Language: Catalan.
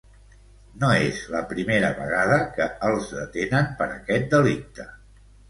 No és la primera vegada que els detenen per aquest delicte.